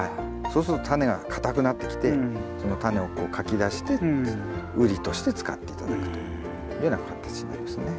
そうするとタネが硬くなってきてそのタネをこうかき出してウリとして使って頂くというような形になりますね。